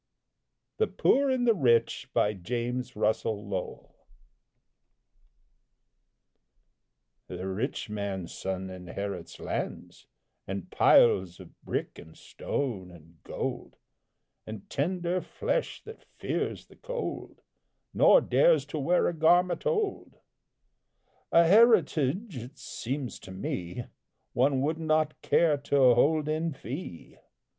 THE POOR AND THE RICH. The rich man's son inherits lands, And piles of brick and stone and gold, And tender flesh that fears the cold, Nor dares to wear a garment old; A heritage, it seems to me, One would not care to hold in fee.